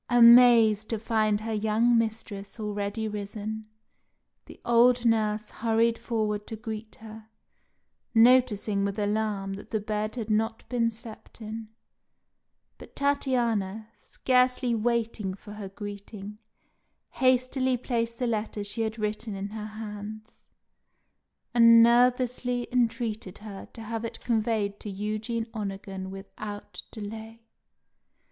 Amazed to find her young mistress already risen, the old nurse hurried forward to greet her, noticing with alarm that the bed had not been slept in; but Tatiana, scarcely waiting for her greeting, hastily placed the letter she had written in her hands, and nervously entreated her to have it conveyed to Eugene Onegin without delay.